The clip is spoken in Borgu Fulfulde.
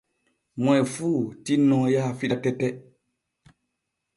Moy fuu tinno yaha fiɗa tete.